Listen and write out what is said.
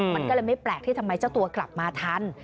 มันก็เลยไม่แปลกที่ทำไมเจ้าตัวกลับมาทัน